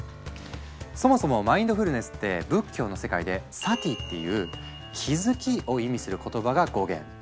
そもそも「マインドフルネス」って仏教の世界で「Ｓａｔｉ」っていう「気づき」を意味する言葉が語源。